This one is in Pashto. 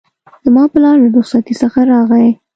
زما پلار له رخصتی څخه راغی